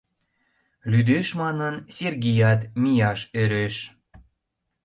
Лӱдеш манын, Сергеят мияш ӧреш.